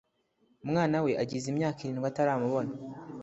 Umwana we agize imyaka irindwi ataramubona